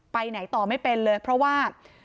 ไปไหนต่อไม่เป็นเลยเพราะว่า